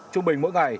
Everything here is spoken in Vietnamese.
trung bình mỗi ngày